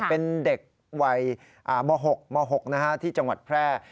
เป็นเด็กวัยม๖ม๖ที่จังหวัดแพร่